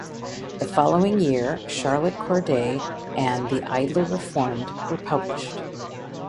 The following year "Charlotte Corday" and "The Idler Reformed" were published.